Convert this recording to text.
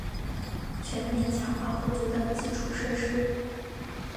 全面强化不足的基础建设